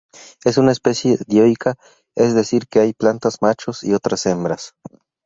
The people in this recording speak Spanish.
Es una especie dioica, es decir que hay plantas machos y otras hembras.